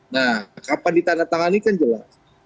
nah kapan ditandatangani kan jelas